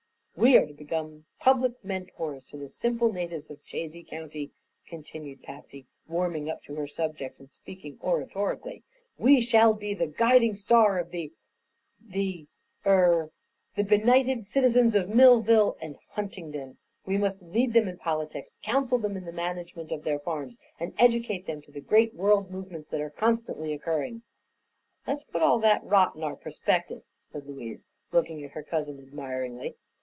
"We are to become public mentors to the simple natives of Chazy County," continued Patsy, warming up to her subject and speaking oratorically. "We shall be the guiding star of the er er the benighted citizens of Millville and Huntingdon. We must lead them in politics, counsel them in the management of their farms and educate them to the great World Movements that are constantly occurring." "Let's put all that rot in our prospectus," said Louise, looking at her cousin admiringly.